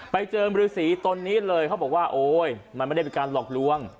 ไปเจอฤษีตนนี้เลยเขาบอกว่าโอ๊ยมันไม่ได้เป็นการหลอกลวง